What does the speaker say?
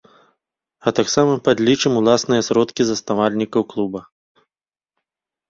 А таксама падлічым уласныя сродкі заснавальнікаў клуба.